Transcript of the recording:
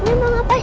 nenek mau ngapain